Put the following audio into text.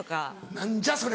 「何じゃそれ！」とか。